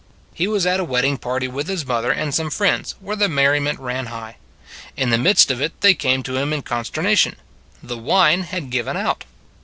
He was at a wedding party with His mother and some friends where the merri ment ran high. In the midst of it they came to Him in consternation. The wine had given out.